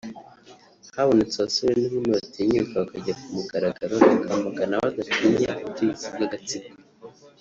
Habonetse abasore n’inkumi batinyuka bakajya ku mugaragaro bakamagana badatinya ubutegetsi bw’agatsiko